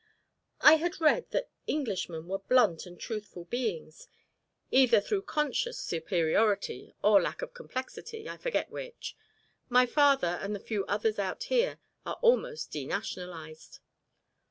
"I had read that Englishmen were blunt and truthful beings either through conscious superiority or lack of complexity, I forget which. My father and the few others out here are almost denationalised."